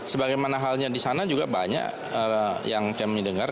sebagaimana halnya di sana juga banyak yang kami dengar